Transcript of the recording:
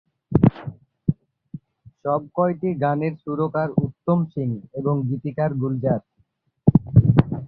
সবকয়টি গানের সুরকার উত্তম সিং এবং গীতিকার গুলজার।